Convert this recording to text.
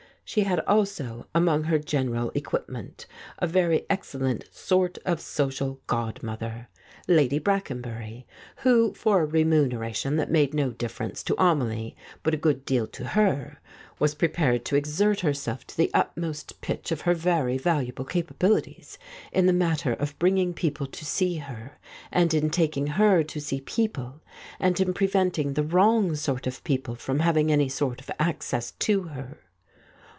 She had also, among her general equip ment, a very excellent sort of social godmother, Lady 128 The False Step Brackenbury, who, for a remuneration that made no difference to Amelie, but a good deal to her, was prepared to exert herself to the utmost pitch of her very valuable capabilities in the matter of bringing people to see her and in taking her to see people, and in preventing the wrong sort of people from having any sort of access to her.